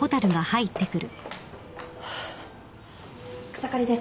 草刈です。